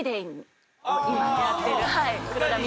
今やってる。